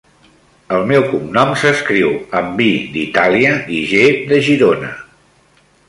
El meu cognom s'escriu amb i d'Itàlia i ge de Girona.